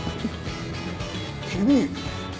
君。